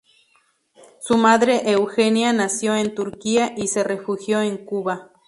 Su madre, Eugenia, nació en Turquía y se refugió en Cuba.